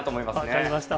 分かりました。